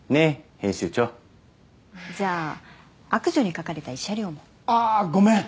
編集長じゃあ悪女に描かれた慰謝料もああーごめん